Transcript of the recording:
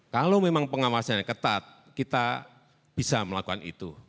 kalau memang pengawasan yang ketat kita bisa melakukan itu